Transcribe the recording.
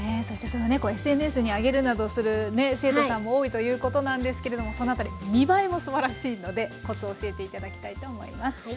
そしてそのねＳＮＳにあげるなどする生徒さんも多いということなんですけれどもそのあたり見栄えもすばらしいのでコツを教えて頂きたいと思います。